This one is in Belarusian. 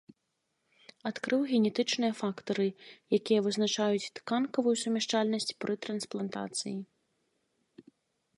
Адкрыў генетычныя фактары, якія вызначаюць тканкавую сумяшчальнасць пры трансплантацыі.